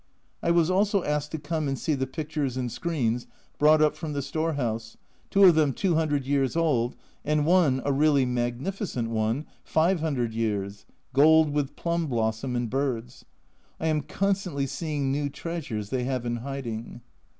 I was also asked to come and see the pictures and screens brought up from the store house, two of them 200 years old, and one, a really magnificent one, 500 years, gold with plum blossom and birds. I am constantly seeing new treasures they have in hiding.